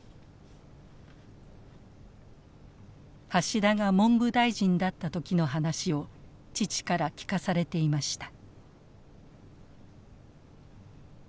橋田が文部大臣だった時の話を父から聞かされていました。